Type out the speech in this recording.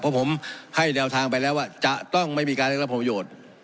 เพราะผมให้แนวทางไปแล้วว่าจะต้องไม่มีการเรียกรับผลประโยชน์